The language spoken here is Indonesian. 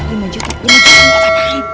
lima juta lima juta semua tak tarik